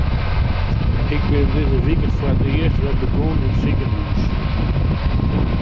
Ik bin dizze wike foar it earst wer begûn yn it sikehús.